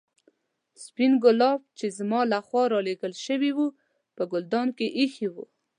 سپين ګلاب چې زما له خوا رالېږل شوي وو په ګلدان کې ایښي وو.